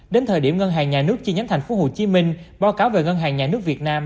đến thời điểm ngân hàng nhà nước chi nhánh tp hcm báo cáo về ngân hàng nhà nước việt nam